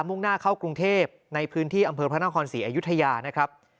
มุ่งหน้าเข้ากรุงเทพในพื้นที่อำเภอพระนครศรีอยุธยานะครับ